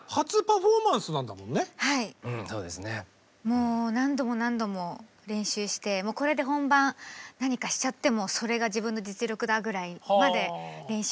もう何度も何度も練習してこれで本番何かしちゃってもそれが自分の実力だぐらいまで練習しました。